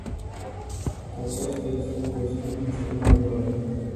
Aceasta este o chestiune extrem de gravă.